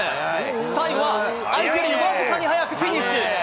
最後は相手より僅かに速くフィニッシュ。